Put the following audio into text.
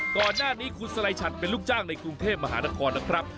ก่อนหน้านี้คุณสไลชัดเป็นลูกจ้างในกรุงเทพมหานครนะครับ